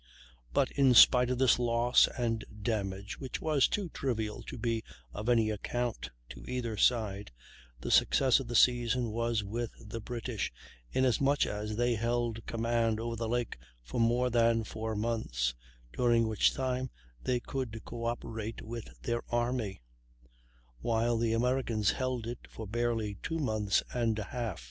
But in spite of this loss and damage, which was too trivial to be of any account to either side, the success of the season was with the British, inasmuch as they held command over the lake for more than four months, during which time they could coöperate with their army; while the Americans held it for barely two months and a half.